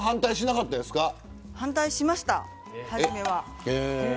反対しました、初めは。